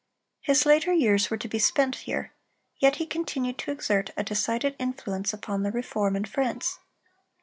His later years were to be spent here, yet he continued to exert a decided influence upon the reform in France.